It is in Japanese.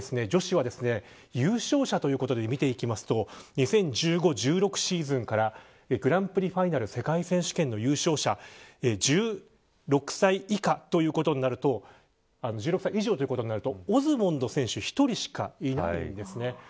さらに女子は優勝者ということで見ていくと２０１５／１６シーズンからグランプリファイナル世界選手権の優勝者１６歳以下ということになると１６歳以上となるとオズモンド選手１人しかいません。